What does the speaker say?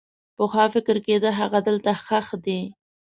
پخوا فکر کېده هغه دلته ښخ دی.